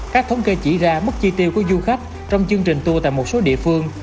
các thống kê chỉ ra mức chi tiêu của du khách trong chương trình tour tại một số địa phương